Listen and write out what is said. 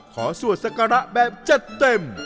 ขอสวดศักระแบบจัดเต็ม